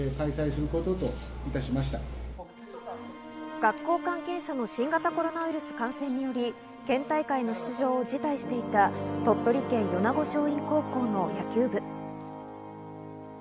学校関係者の新型コロナウイルス感染により、県大会の出場を辞退していた鳥取県米子松蔭高校の野球部。